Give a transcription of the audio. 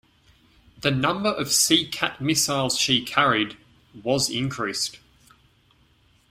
The number of SeaCat missiles she carried was increased.